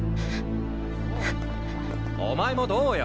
お前もどうよ？